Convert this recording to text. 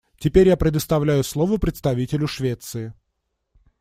Теперь я предоставляю слово представителю Швеции.